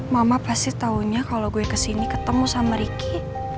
mama pasti taunya kalo gue kesini ketemu sama ricky